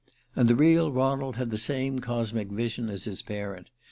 And the real Ronald had the same cosmic vision as his parent.